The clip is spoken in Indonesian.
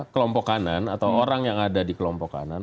kelompok kanan atau orang yang ada di kelompok kanan